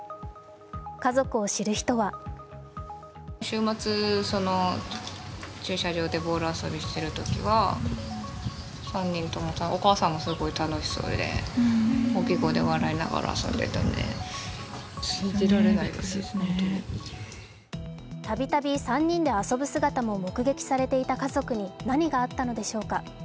家族を知る人はたびたび３人で遊ぶ姿も目撃されていた家族に何があったのでしょうか。